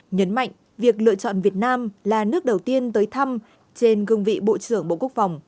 nhấn mạnh việc lựa chọn việt nam là nước đầu tiên tới thăm trên gương vị bộ trưởng bộ quốc phòng